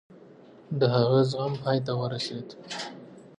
د هغه زغم پای ته ورسېد.